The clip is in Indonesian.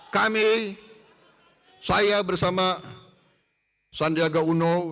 kami saya bersama sandiaga uno